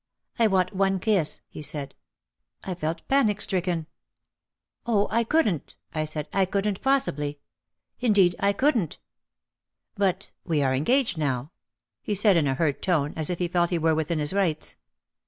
"I want one kiss/' he said. I felt panic stricken. "Oh, I couldn't !" I said, "I couldn't possibly. Indeed I couldn't!" "But, we are engaged now," he said in a hurt tone as if he felt he were within his rights.